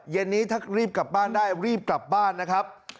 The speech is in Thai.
เย็นนี้ถ้ารีบกลับบ้านได้รีบกลับบ้านนะครับ